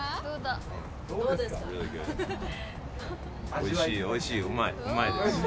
おいしい、おいしい、うまい、うまいです。